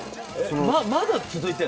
まだ続いてるんだ？